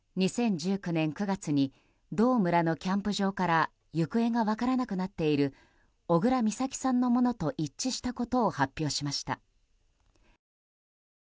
２０１９年９月に同村のキャンプ場から行方が分からなくなっている小倉美咲さんのものと一致したことを発表しました。